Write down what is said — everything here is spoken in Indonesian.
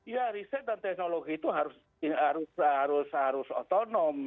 ya riset dan teknologi itu harus harus harus harus otonom